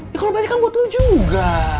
ya kalau banyak yang buat lu juga